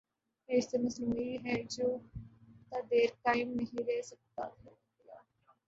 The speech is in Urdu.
یہ رشتہ مصنوعی ہے جو تا دیر قائم نہیں رہ سکے گا۔